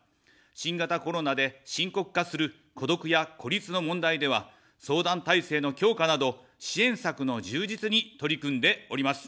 新型コロナで深刻化する孤独や孤立の問題では、相談体制の強化など、支援策の充実に取り組んでおります。